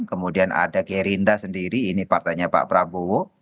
kemudian ada gerindra sendiri ini partainya pak prabowo